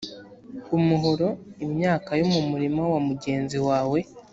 umuhoro imyaka yo mu murima wa mugenzi wawe